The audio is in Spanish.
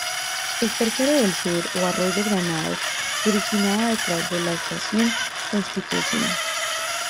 El "Tercero del Sur" o arroyo Granados se originaba detrás de la estación Constitución.